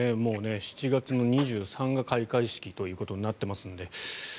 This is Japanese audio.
７月２３日が開会式ということになっていますので。